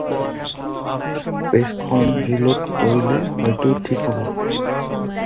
পেজখন ৰিল'ড কৰিলে হয়তো ঠিক হ'ব।